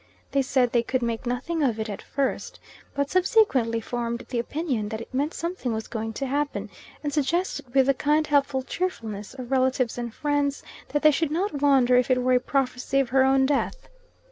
They said they could make nothing of it at first, but subsequently formed the opinion that it meant something was going to happen, and suggested with the kind, helpful cheerfulness of relatives and friends, that they should not wonder if it were a prophecy of her own death.